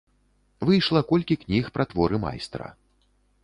Выйшла колькі кніг пра творы майстра.